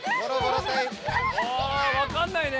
おわかんないね